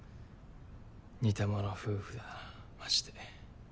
似た者夫婦だなマジで。